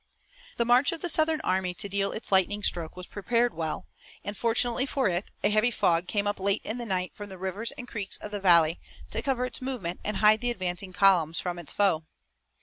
The march of the Southern army to deal its lightning stroke was prepared well, and, fortunately for it, a heavy fog came up late in the night from the rivers and creeks of the valley to cover its movements and hide the advancing columns from its foe.